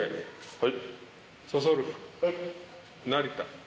はい。